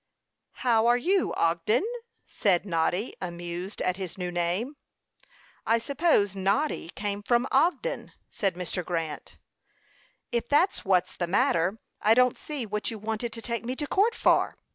"How are you, Ogden?" said Noddy, amused at his new name. "I suppose Noddy came from Ogden," said Mr. Grant. "If that's what's the matter, I don't see what you wanted to take me to court for."